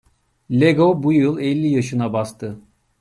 Lego bu yıl elli yaşına bastı.